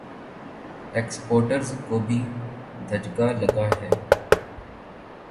exporter ز کو بھی دھچکا لگا ہے